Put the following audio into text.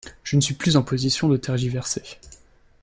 Je ne suis plus en position de tergiverser.